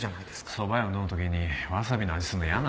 そば湯を飲む時にわさびの味するの嫌なんだよ。